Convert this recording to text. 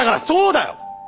そうだよ！